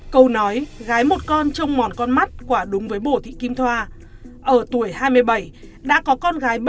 câu nói gái một con trong mòn con mắt quả đúng với bồ thị kim thoa ở tuổi hai mươi bảy đã có con gái bảy